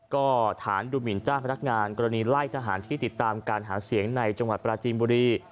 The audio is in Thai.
ก็ฐานดูหมินเจ้าพนักงานกรณีไล่ทหารที่ติดตามการหาเสียงในจังหวัดปราจีนบุรี